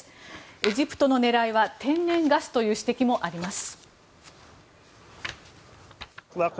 エジプトの狙いは天然ガスという指摘もあります。